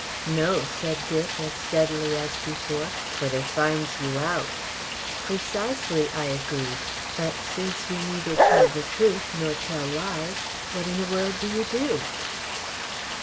"No," said Dick, as steadily as before, "for they finds you out." "Precisely," I agreed. "But since you neither tell the truth nor tell lies, what in the world do you do?"